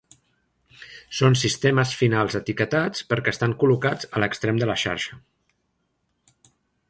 Són sistemes finals etiquetats perquè estan col·locats a l'extrem de la xarxa.